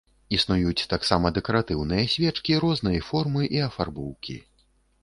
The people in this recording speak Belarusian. Існуюць таксама дэкаратыўныя свечкі рознай формы і афарбоўкі.